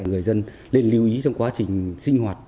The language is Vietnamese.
người dân nên lưu ý trong quá trình sinh hoạt